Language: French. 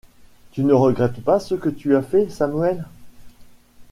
Tu ne regrettes pas ce que tu as fait, Samuel?